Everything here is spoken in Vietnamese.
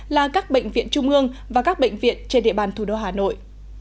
là các bệnh viện trung ương và các bệnh viện trên địa bàn thủ đô hà nội